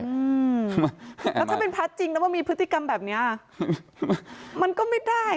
อืมแล้วถ้าเป็นพระจริงแล้วมันมีพฤติกรรมแบบเนี้ยมันก็ไม่ได้